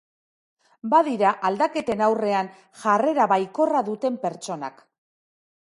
Badira aldaketen aurrean jarrera baikorra duten pertsonak.